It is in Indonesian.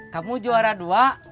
kamu juara dua